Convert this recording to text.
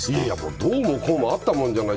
どうもこうもあったもんじゃない。